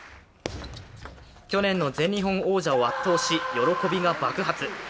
去年の全日本王者を圧倒し、喜びが爆発。